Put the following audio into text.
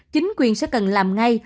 chính quyền sẽ cần làm ngay